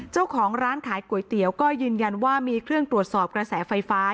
เจ้าของร้านขายก๋วยเตี๋ยวก็ยืนยันว่ามีเครื่องตรวจสอบกระแสไฟฟ้า